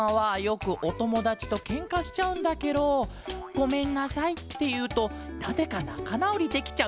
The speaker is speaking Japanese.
「ごめんなさい」っていうとなぜかなかなおりできちゃう。